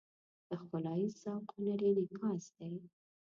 د ښکلاییز ذوق هنري انعکاس دی.